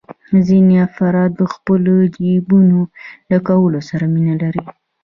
ځینې افراد د خپلو جېبونو ډکولو سره مینه لري